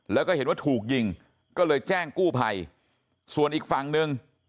แล้วก็เห็นว่าถูกยิงก็เลยแจ้งกู้ภัยส่วนอีกฝั่งหนึ่ง